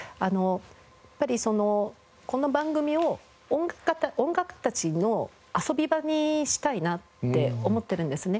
やっぱりこの番組を音楽家たちの遊び場にしたいなって思ってるんですね。